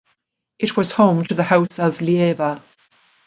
It was home to the house of Leiva.